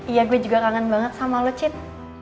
iya gue juga kangen banget sama lo cint